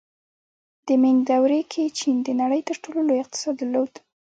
د مینګ دورې کې چین د نړۍ تر ټولو لوی اقتصاد درلود.